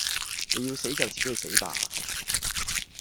你要死就自己去死吧